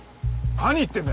何言ってんだよ！